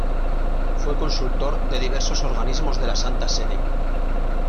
Fue consultor de diversos organismos de la Santa Sede.